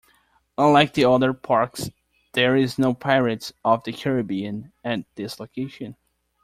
Unlike the other parks, There is no Pirates of the Caribbean at this location.